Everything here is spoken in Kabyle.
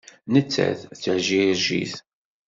Nettat d Tajiṛjit.